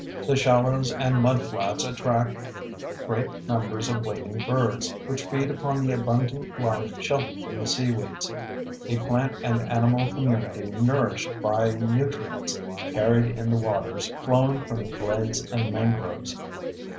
The shallows and mudflats attract great numbers of wading birds, which feed upon the abundant life sheltered in the seaweeds—a plant and animal community nourished by nutrients carried in the waters flowing from the glades and mangroves.